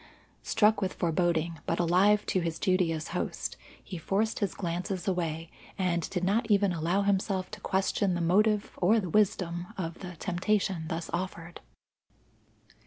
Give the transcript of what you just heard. Struck with foreboding, but alive to his duty as host, he forced his glances away, and did not even allow himself to question the motive or the wisdom of the temptation thus offered.